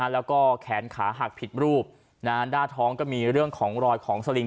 แล้วก็แขนขาหักผิดรูปหน้าท้องก็มีเรื่องของรอยของสลิง